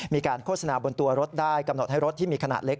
โฆษณาบนตัวรถได้กำหนดให้รถที่มีขนาดเล็ก